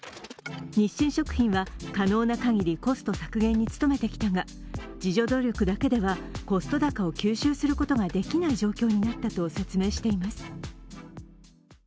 日清食品は、可能な限りコスト削減に努めてきたが自助努力だけではコスト高を吸収することができない状況になったと説明しています。